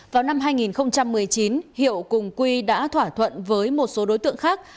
vào năm hai nghìn một mươi chín hiệu cùng quy đã thỏa thuận với một số đối tượng khác